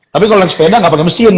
tapi kalo naik sepeda gak pake mesin